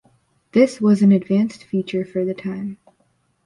This was an advanced feature for the time.